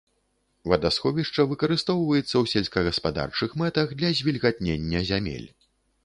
Вадасховішча выкарыстоўваецца ў сельскагаспадарчых мэтах для звільгатнення зямель.